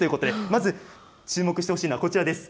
まず注目してほしいのはこちらです。